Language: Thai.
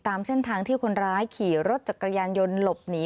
ตามเส้นทางที่คนร้ายขี่รถจักรยานยนต์หลบหนี